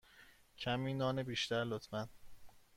کمی نان بیشتر، لطفا.